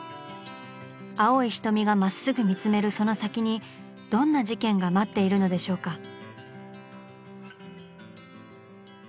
青い瞳がまっすぐ見つめるその先にどんな事件が待っているのでしょうか？